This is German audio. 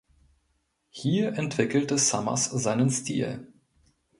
Hier entwickelte Summers seinen Stil.